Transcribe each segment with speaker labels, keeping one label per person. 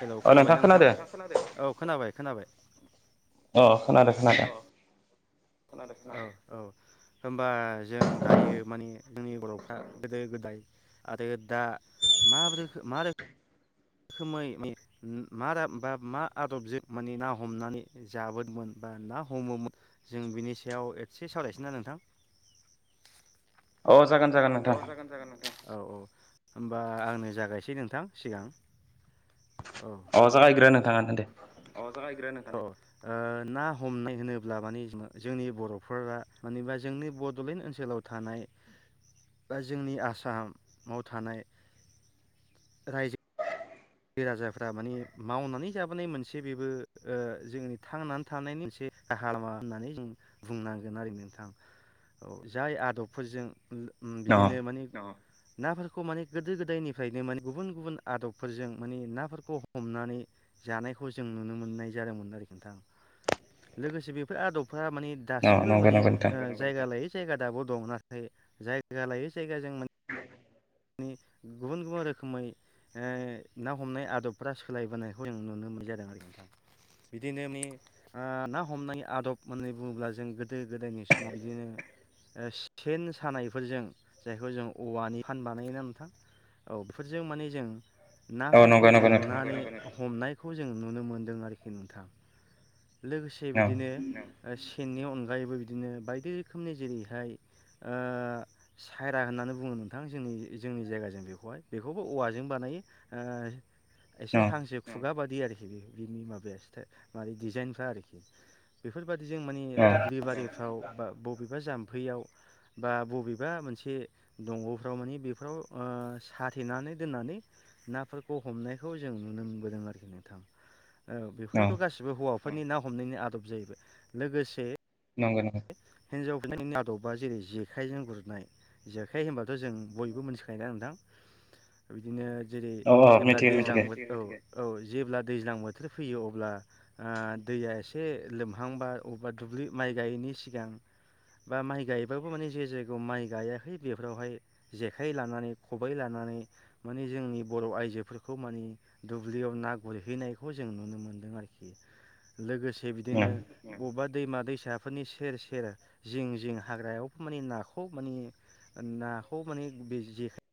Speaker 1: हेल' खोनाबायना नोंथां नोंथां खोनादों औ खोनाबाय खोनाबाय
Speaker 2: अ खोनादो खोनादो
Speaker 1: खोनादो खोनादो औ औ होनबा जों दायो माने जोंनि बर'फ्रा गोदो गोदाय आरो दा मा रोखोम मा रोखोम मा रोखोमै [unintelligible] बा मा आदबजों माने ना हमनानै जाबोदोंमोन बा ना हमोमोन जों बिनि सायाव एसे सावरायनोसैना नोंथां
Speaker 2: औ
Speaker 1: औ जागोन जागोन नोंथां औ औ होमबा आंनो जागायसै नोंथां सिगां
Speaker 2: अ जागायग्रो नोंथांआनो आ दे
Speaker 1: जागाय ना हमनाय होनोब्ला माने जोंनि बर'फोरा मानिबा जोंनि बड'लेण्ड ओनसोलाव थानाय बा जोंनि आसामाव थानाय रायजो रायजो राजाफ्रा माने मावनानै जाबोनाय मोनसे बेबो जोंनि थांनानै थानायनि मोनसे राहा लामा होननानै जों बुंनांगोन आरो नोंथां औ जाय आदबफोरजों बिदिनो मानि नाफोरखौ माने गोदो गोदायनिफ्रायनो माने गुबुन गुबुन आदबफोरजों माने नाफोरखौ हमनानै जानायखौ जों नुनो मोननाय जादोंमोन आरो निथां लोगोसे बेफोर आदब फोर माने दासिमबो माने जायगा लायो जायगा दाबो दं नाथाय जायगा लायै जायगाजों मान मानि गुबुन गुबुन रोखोमै ना हमनाय आदबफ्रा सोलायबोनायखौ जों नुनो मोननाय जादों आरो नथां बिदिनो म ना हमनाय आदब होननानै बुङोब्ला जों गोदो गोदायनि समाव बिदिनो सेन सानायफोरजों जायखौ जों औवानि फान बानायोना नोंथां औ बेफोरजों माने जों नाखौ हमनानै [unintelligible] हमनायखौ जों नुनो मोनदों आरोखि नोंथां लोगोसे बिदिनो सेननि अनगायैबो बिदिनो बायदि रोखोमनि जेरैहाय ओ सायरा होननानै बुङो जोंनि जोंनि जायगाजों बेखौहाय बेखौबो औवा जों बानायो ओ एसे हांसो खुगा बादि आरोखिनि बि-बिनि माबाया सिटा डिजाइनफ्रा आरोखि बेफोर बेबाददि जों मानिे दुब्लि बारिफ्राव बा बबेबा जाम्फैयाव बा बबेबा मोनसे दङ' फ्राव माने बेफोराव साथेनानै दोननानै नाफोरखौ हमनायखौ जों नुनो मोनबोदों आरोखि नोंथां औ बेफोरथ' गासिबो हौवा फोरनि ना हमनायनि आदब जाहैबाय लोगोसे हिनजाव बिनायनि आदबा जेरै जेखाइजों गुरनाय जेखाइ होनबाथ' जों बयबो मिथिखायोना नोंथां बिदिनो जेरै जेब्ला दैज्लांबो औ औ जेब्ला दैज्लां बोथोर फैयो अब्ला दैया एसे लोमहांबा अबेबा दुब्लि माइ गायैनि सिगां बा माइ गायबाबो माने जे जायगायाव माइ गायाखै बेफोरावहाय जेखाइ लानानै खबाइ लानानै माने जोंनि बर' आइजोफोरखौ मानि दुब्लियाव ना गुरहैनायखौ जों नुनो मोन्दों आरोखि लोगोसे जे बिदिनो बबेबा दैमा दैसाफोरनि सेर सेर जिं जिं हाग्रायाव माने नाखौ माने नाखौ माने बे जेखाइ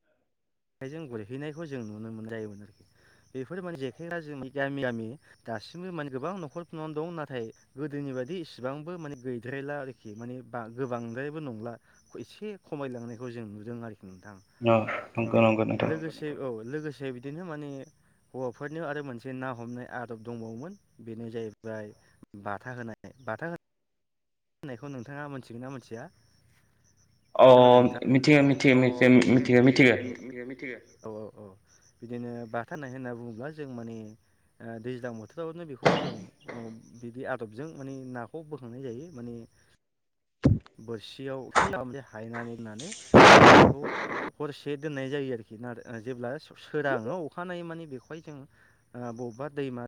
Speaker 1: जेखायजों गुरहैनायखौ जों नुनो मोन जायोमोन आरोखि बेफोर माने जेखाइफ जोंनि गामि गामि दासिमबो माने गोबां न'खरफोरनानै दं नाथाय गोदोनि बाददि इसिबांबो माने गैद्रायला आरोखि माने ब गोबांद्रायबो नंला एसे खमायलांनायखौ जों नुदों आरोखि नोंथां
Speaker 2: औ
Speaker 1: लोगोसे औ लोगोसे बिदि बिदिनो माने हौवाफोरनियाव आरो मोनसे ना हमनाय आदब दंबावोमोन बेनो जाहैबाय बाथा होनाय होननायखौ नोंथाङा मोनथिगोन ना मोनथिया
Speaker 2: अ मिथिगौ मिथिगौ मिथियो मिथियो
Speaker 1: औ औ औ बिदिनो बाथा होननाय होनना बुङोब्ला जों माने दैज्लां बोथोरावनो बेखौबो जों बिदि आदबजों माने नाखौ बोखांनाय जायो मानि बोरसियाव हायनानै दोननानै माने बेखौ हरसे दोननाय जायो आरोखि ना जेब्ला सोराङो अखानायै माने बेखौहाय जों बबेबा दैमा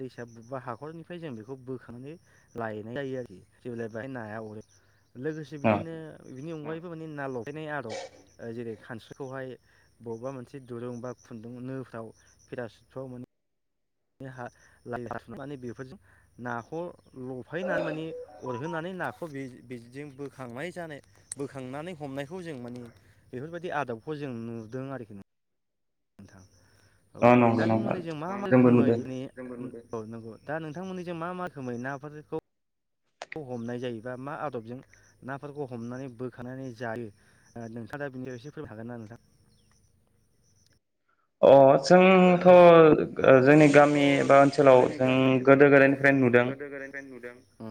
Speaker 1: दैसा बबेबा हाखरनिफ्राय जों बेखौ बोखांनानै लायनाय जायो आरोखि जेब्लाय बे नाया अरो लोगोसे बिदिनो बिनि अनगायैबो माने ना लफायनाय आदब जेरै खानस्रिखौहाय बबेबा मोनसे दुरुं बा खुन्दुं नोफ्राव पेरासुटफ्राव माने बेफोरजों नाखौ लफायनानै माने अरहोनानै नाखौ बिदिजों बोखांनाय जानाय बोखांनानै हमनायखौ जों माने बेफोरबायदि आदबखौ जों नुदों आरोखि न औ दाथ'मोननै जों मा रोखोमै नंगौ नंगौ दा नोंथांमोननिजों मा मा रखोमै नाफोरखौ नाखौ हमनाय जायोबा मा आदबजों नाफोरखौ हमनानै बोखांनानै जायो नोंथाङा दा बेनि एसे फोरमायनो हागोन ना नोंथां
Speaker 2: अ जोंथ' जोंनि गामि बा ओनसोलाव जों गोदो गोदायनिफ्रायनो नुदों
Speaker 1: अ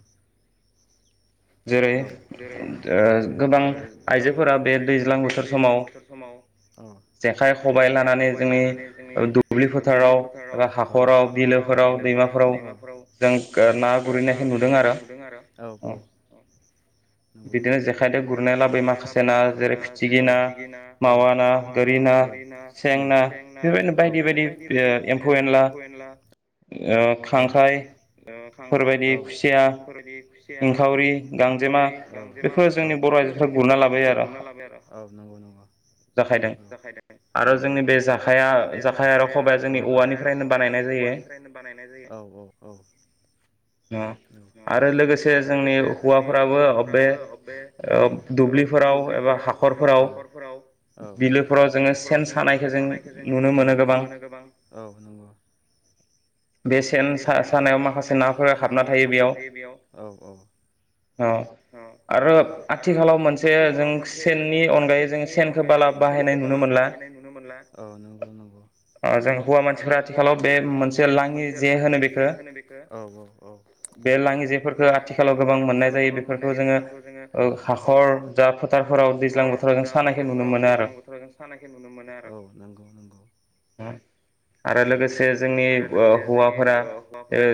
Speaker 2: जेरै गोबां आइजोफोरा बे दैज्लां बोथोर समाव
Speaker 1: जेखाइ खबाइ लानानै जोंनि दुब्लि फोथाराव बा हाख'राव बिलोफोराव दैमाफोराव जों ना गुरहैनायखौ नुदों आरो औ नंगौ बिदिनो जेखायजों गुरनानै लाबोयो माखासे ना जेरै फिथिख्रि ना मावा ना ना गोरि ना औ सें ना औ बेबायनो बायदि बायदि एम्फौ एनला औ खांख्राय औ बेफोरबायदि खुसिया औ इंखावरिऔ गांजेमा औ बेफोरो जोंनि बर' आइजोफोरा गुरना लाबोनाय आरो औ नंगौ नंगौ आरो जोंनि बे जेखाइया औ जोंनि औवानिफ्रायनो बानायनाय आरो लोगोसे जोंनि हौवाफोराबो बे दुब्लिफोराव औ एबा हाखरफोराव औ बिलोफोराव जोङो सेन थानायखौ औ जों नुनो मोनो गोबां औ नंगौ
Speaker 2: बे सेन सानायाव माखासे नाफोरा हाबना थायो बेयाव आरो आथिखालाव मोनसे जों सेननि अनगायै जों सेनखौ बारा बाहायनाय नुनो
Speaker 1: बाहायनाय नुनो मोनला औ नोंगौ नोंगौ ओ जों हौवा मानसिफोरा आथि बे मोनसे लाङि जे होनो बेखो औ औ औ बे लाङि जेफोरखो आथिखालाव गोबां मोननाय जायो बेफोरखौ जोङो औ औ‌ औ।
Speaker 2: फोराव दैज्लां बोथोराव जों सानायखो नुनो मोनो आरो।
Speaker 1: खौ नुनो मोनो आरो औ नोंगौ नोंगौ। आमफाय आरो लोगोसे जोंनि ओ हौवाफोरा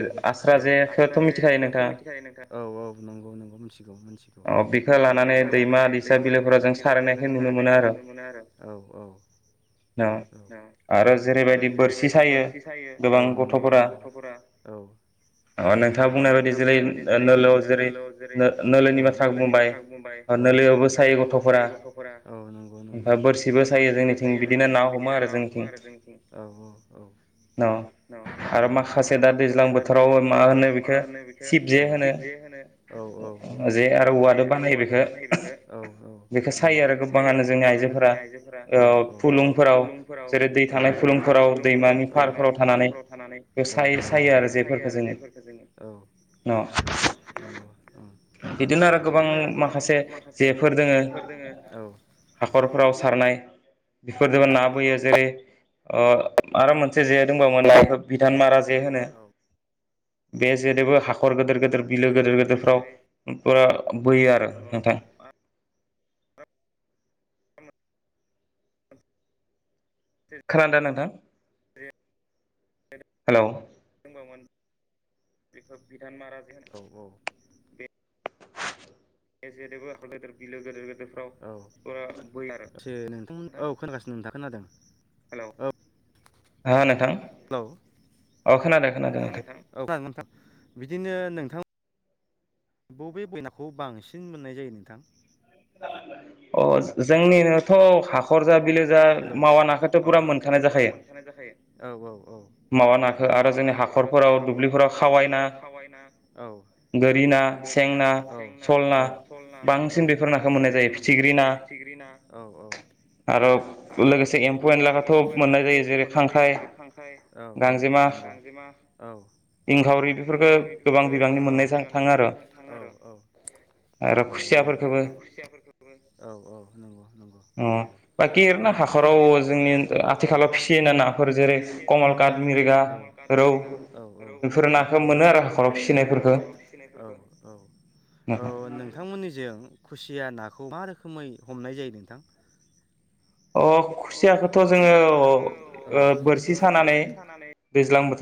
Speaker 1: आस्रा जेखो थ' मिथिखायो नोंथां औ औ नोंगौ नोंगौ मोनथिगौ मोनथिगौ औ बेखो लानानै दैमा दैसा बिलोफोराव जों सारनायखो जों नुनो मोनो आरो औ औ औ औ। आरो जेरैबायदि बोरसि सायो औ नोंगौ गोबां गथ'फोरा औ औ नोंथाङा बुंनाय बायदि जेरै ओ नोलोआव जेरै नो नोलोनि बाथ्रा बुंबाय औ। ओ‌ नोलोयावबो सायो गथ'फोरा औ नोंगौ नोंगौ ओमफाय बोरसिबो सायो जोंनिथिं बिदिनो ना हमो आर ओ‌ जोंनिथिं औ औ औ‌ औ आरो माखासे दा दैज्लां बोथोराव मा होनो बेखो औ सिब जे होनो औ औ औ जे आरो औवादो बानायो बेखो। औ औ नोंगौ बेखो सायो आरो गोबाङानो जोंनि आइजोफोरा औ औ औ फुलुंफोराव। औ जेरै दै थानाय फुलुंफोराव औ दैमानि फारफोराव थानानै औ औ बेयाव सायो सायो आरो जेफोरखो जोङो औ न नोंगौ‌ औ बिदिनो आरो गोबां माखासे
Speaker 2: फोर दोङो हाखरफोराव सारनाय। बेफोरजोंबो ना बोयो ओ आरो मोनसे से जे दंबावोन बेखो बिधान मारा जे होनो बे जेरैबो हाखर गोदोर गोदोर बिलो गोदोर गोदोरफ्राव बो बोयो आरो नोंथां। खोनादों नोंथां? हेलौ।
Speaker 1: दंबावोन बेखौ बिधान मारा जे होनो औ औ‌ बे ए जेरैबो हाखर गेदेर बिलो गोदोर गोदोरफ्राव औ बो बोयो आरो [unintelligible] नोंथांमोन औ खोनगासिनो नोंथा खोनादों हेलौ औ।
Speaker 2: ओहो नोंथां।
Speaker 1: हेलौ ओहो नोंथां औ खोनादों ना नोंथां बिदिनो नों थां बबे बबे नाखौ बांसिन मोननाय जायो नोंथां?
Speaker 2: अ जोंनिनोथ' हाखर जा बिलो
Speaker 1: हेलौ जा मावा नाखोथो फुरा मोनखानाय जाखायो औ औ औ मावा नाखो आरो जोंनि हाखरफोराव दुब्लिफोराव खावाइ ना औ गोरि ना औ सें ना औ सल ना औ। बांसिन बेफोर नाखौ मोननाय जायो फिथिख्रि ना औ औ। आरो लोगोसे एम्फौ एनलाखोथ' मोननाय जायो जेरै खांख्राइ औ औ नोंगौ गांजेमा औ इंखावरि बेफोरखो औ गोबां बिबांनि मोननायजों थाङो आरो औ औ नोंगौ नोंगौ आरो खुसिया फोरखौबो औ औ नोंगौ नोंगौ औ अ। औ खुजि [unintelligible] ओ जोंनि ओन ओ आथिखालाव फिसियोनो नाफोर जेरै कमलकाट मिरिगा औ औ रौ औ औ बेफोर नाखौ मोनो आरो हाखराव फिसिनाय फोरखौ औ औ औ नोंथांमोननि जे खुसिया ना खौ मा रोखोमै हमनाय जायो नोंथां?
Speaker 2: अ खुसियाखौथ' जोङो ओ बोरसि सानानै दैज्लां बो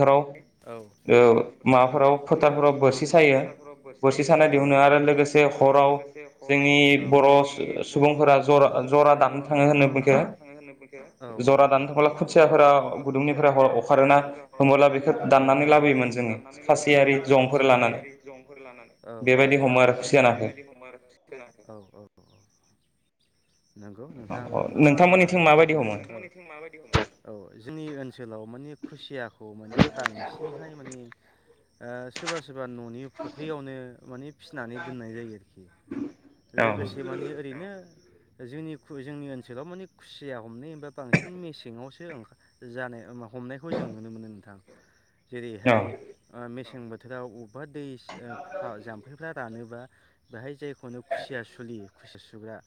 Speaker 1: औ दैज्लां बोथोराव औ माबाफोराव फोथारफोराव बोरसि सायो औ बोरसि सानाय दिहुनो आरो लोगोसे हराव जोंनि बर' सुबुंफोरा जरा-जरा दाम थाङो होननो बेखो औ-औ औ जरा दानो थांफोलाब पं [unintelligible] गुदुंनिफोरा ह' अखारोना औ अमला बेखौ दाननानै लाबोयोमोन जोङो खासि आरि जंफोर लानानै औ-औ-औ नोंगौ बेबायदि औ-औ-औ। नंगौ नोंथां नोंथांनि बुंनाया सैथोआनो ओ नोंथांमोनिथिं मा बायदि हमो औ जो जोंनि ओनसोलाव माने खुसियाखौ खौ माने बांसिनहाय मानि ओ सोरबा सोरबा सोरबा ननि फुख्रियावनो माने फिसिनानै दोननाय जायो आरोखि लोगोसे मानि ओरैनो। जोंनिख्रुइ जोंनि ओनसोलाव मानि खुसिया हमनाय एबा बांसिन मेसेआवसो ओं जानाय मा हमनायखौ जों नुनो मोनो नोंथां। जेरैहाय ओ मेसें बो [unintelligible] बा दैसा ओ जाम्फैफ्रा रानोब्ला बा बेहाय जायो खनो खुसिया सुलि। खुसिया सुग्रा।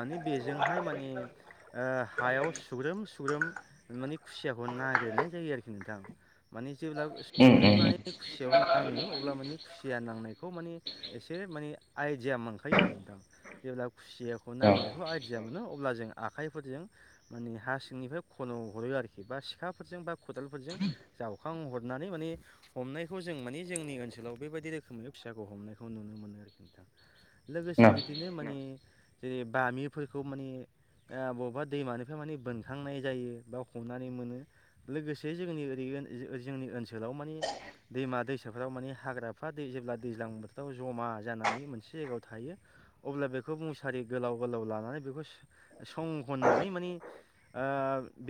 Speaker 1: माने बेजोंहाय माने ओ हायाव सुग्रोम सुग्रोम मानि खुसियाखौ नागिरनाय जायो आरोखि नोंथां। माने जेब्ला सुग्रेमनानै खुसियाव नाङो अब्ला मानि खुसिया नांनायखौ माने एसे माने आइडिया मोनखायो नोंथां जेब्ला खुसिया नांनायखौ आइडिया मोनो अब्ला अब्ला जों आखाइफोरजों माने हा सिंनिफ्राय खन हरो आरोखि बा सिखाफोरजों बा खदालफोरजों जावो फां हरनानै माने हमनायखौ जों माने जोंनि ओनसोलाव बेबायदि रोखोमै खुसियाखौ हमनायखौ नुनो मोनो आरोखि नोंथा। लोगोसे बिदिनो माने जेरै बामिफोरखौ मानि आ बबेबादैमानिफ्राय माने बोनखांनाय जायो बा हमनानै मोनो लोगोसे जोंनि ओरैबोन जोंनि ओनसो जोलाव माने दैमा दैसा हाजोफ्राव माने हाग्राफ्रा जेब्ला दैज्लां बोथोराव जमा जानानै मोनसे जायगायाव थायो अब्ला बेखौ बुङोसो सारि गोलाव गोलाव लानानै बेखौ सो सं खननानै माने आ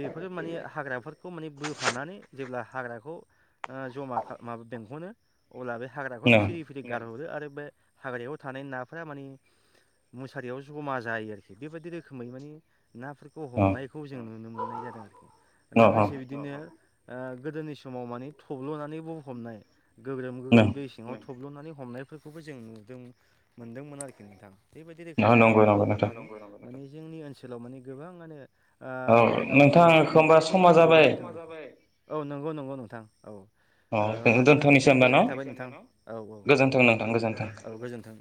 Speaker 1: बेफोरो मानि हाग्राफोरखौ माने बोफानानै जेब्ला हाग्राखौ ओ जमाखा माबा बेंखनो। अब्ला बे हाग्राखौ फिरि बिरि गारहरो आरो बे हाग्रायाव थानाय नाफोरा मानिे मुसारियाव जमा जायो आरोखि बेबादि रोखोम रोखोमै माने नाफोरखौ हमनायखौ जों नुनो मोननाय जादों आरोखि लोगोसे बिदिनो। गोदोनि समाव मानिे थब्ल'नानै बुंफबनाय। गोग्रोम गोग्रोम दै सिङाव थब्ल'नानै हमनायफोरखौबो जों नुदों मोनदोंमोन आरोखि नोंथाङा। बेबायदि रोखोमै नाफोरखौ हमना द मान जोंनि ओनसोलाव माने गोबाङानो गावनि न'खरखौ दिहुनबोदों औ नंगौ नंगौ नोंथां औ हबा नोंथांनिसिम गोजोननाय थाबाय नोंथां औ औ गोोनों औ गोजोन्थों।